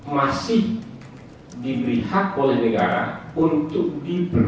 masih diberi hak oleh negara untuk diperbai